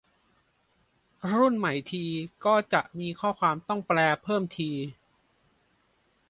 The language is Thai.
รุ่นใหม่ทีก็จะมีข้อความต้องแปลเพิ่มที